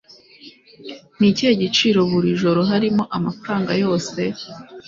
Ni ikihe giciro buri joro harimo amafaranga yose?